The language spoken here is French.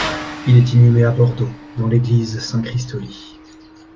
Il est inhumé à Bordeaux, dans l'Église Saint Christoly.